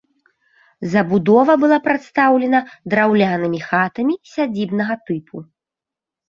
Забудова была прадстаўлена драўлянымі хатамі сядзібнага тыпу.